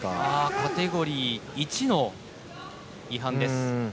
カテゴリー１の違反です。